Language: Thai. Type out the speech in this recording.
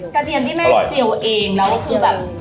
เทียมที่แม่เจียวเองแล้วก็คือแบบ